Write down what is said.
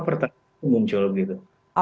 pertanyaan umum jual gitu